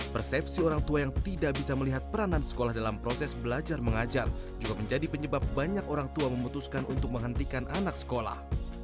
persepsi orang tua yang tidak bisa melihat peranan sekolah dalam proses belajar mengajar juga menjadi penyebab banyak orang tua memutuskan untuk menghentikan anak sekolah